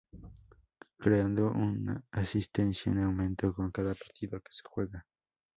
Creando una asistencia en aumento con cada partido que se juega.